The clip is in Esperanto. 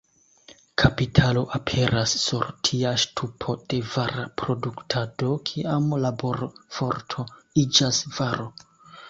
Kapitalo aperas sur tia ŝtupo de vara produktado, kiam laborforto iĝas varo.